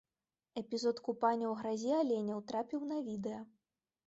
Эпізод купання ў гразі аленяў трапіў на відэа.